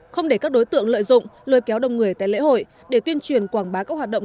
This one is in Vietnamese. không để các đối tượng lợi dụng lôi kéo đông người tại lễ hội để tuyên truyền quảng bá các hoạt động